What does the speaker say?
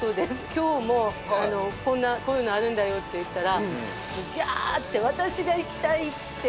今日もこういうのあるんだよって言ったら「ギャーッ！」って「私が行きたい！」って言って。